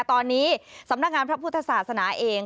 ตอนนี้สำนักงานพระพุทธศาสนาเอง